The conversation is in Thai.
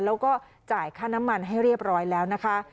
แล้วก็จ่ายค่าน้ำมันให้เรียบร้อยแล้วนะคะ